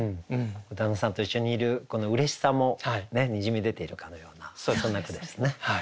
旦那さんと一緒にいるこのうれしさもにじみ出ているかのようなそんな句でしたね。